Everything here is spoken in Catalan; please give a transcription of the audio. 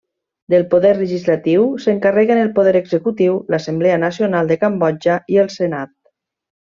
Del poder legislatiu, s'encarreguen el poder executiu, l'Assemblea Nacional de Cambodja i el senat.